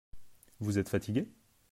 Vous êtes fatigué ?